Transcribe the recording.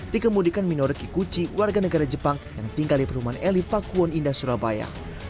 dikemudikan minorki kuci warga negara jepang yang tinggal di perumahan eli pakuwon indah surabaya